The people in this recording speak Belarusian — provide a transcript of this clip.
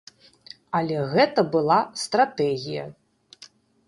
Але гэта была стратэгія.